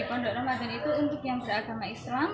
pondok ramadan itu untuk yang beragama islam